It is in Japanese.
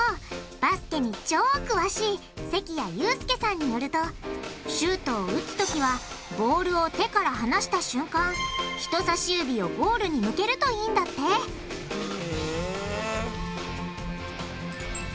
バスケに超詳しい関谷悠介さんによるとシュートを打つときはボールを手から離した瞬間人さし指をゴールに向けるといいんだってへぇ。